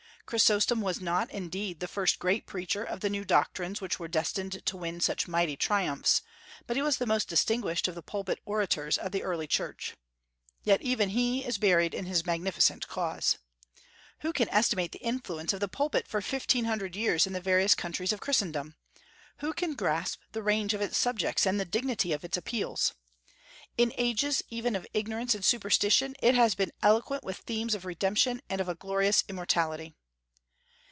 Chrysostom was not, indeed, the first great preacher of the new doctrines which were destined to win such mighty triumphs, but he was the most distinguished of the pulpit orators of the early Church. Yet even he is buried in his magnificent cause. Who can estimate the influence of the pulpit for fifteen hundred years in the various countries of Christendom? Who can grasp the range of its subjects and the dignity of its appeals? In ages even of ignorance and superstition it has been eloquent with themes of redemption and of a glorious immortality.